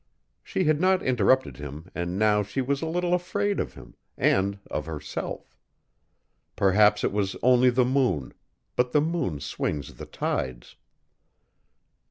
She had not interrupted him and now she was a little afraid of him and of herself. Perhaps it was only the moon but the moon swings the tides.